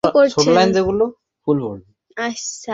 আমাকে বিভ্রান্ত করছেন?